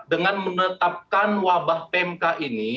dengan menetapkan wabah pmk ini